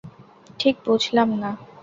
ঠিক বুঝলাম না।